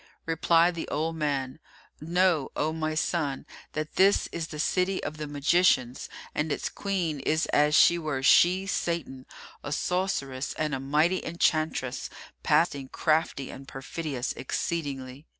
Replied the old man, "Know, O my son, that this is the City of the Magicians and its Queen is as she were a she Satan, a sorceress and a mighty enchantress, passing crafty and perfidious exceedingly.